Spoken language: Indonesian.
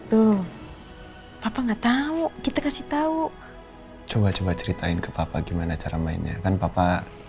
tuh papa nggak tahu kita kasih tahu coba coba ceritain ke papa gimana cara mainnya kan papa